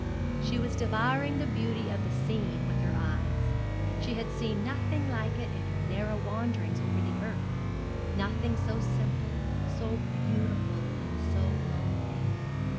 She was devouring the beauty of the scene with her eyes. She had seen nothing like it in her narrow wanderings over the earth nothing so simple, so beautiful, and so lonely.